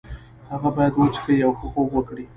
هغه باید وڅښي او ښه خوب وکړي.